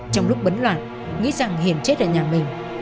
trong lúc bấn loạt nghĩ rằng hiền chết ở nhà mình